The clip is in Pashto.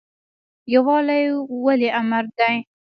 یووالی ولې امر دی؟